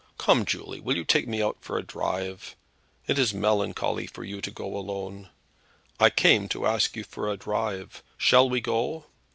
Come, Julie, will you take me out for a drive. It is melancholy for you to go alone; I came to ask you for a drive. Shall we go?"